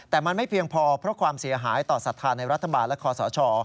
แต่มันไม่เพียงพอเพราะความเสียหายต่อศรัทธาในรัฐบาลและคอสช